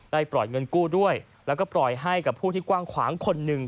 ปล่อยเงินกู้ด้วยแล้วก็ปล่อยให้กับผู้ที่กว้างขวางคนหนึ่ง